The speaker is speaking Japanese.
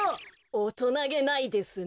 おとなげないですね。